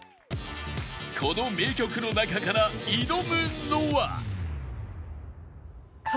この名曲の中から挑むのは